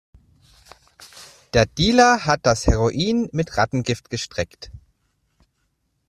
Der Dealer hat das Heroin mit Rattengift gestreckt.